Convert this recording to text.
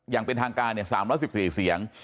อย่างเป็นทางการ๓๑๔เสียง